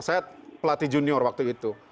saya pelatih junior waktu itu